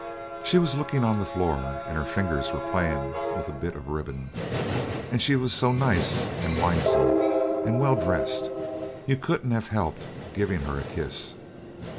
"She was looking on the floor, and her fingers were playing with a bit of ribbon, and she was so nice and winsome, and well dressed, you couldn't have helped giving her a kiss.